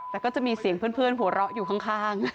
แต่ก็จะมีเสียงเพื่อนหัวเราะอยู่ข้าง